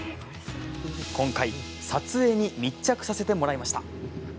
撮影に密着させてもらいました。